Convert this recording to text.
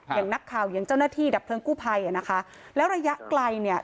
อย่างนักข่าวอย่างเจ้าหน้าที่ดับเพลิงกู้ภัยอ่ะนะคะแล้วระยะไกลเนี่ย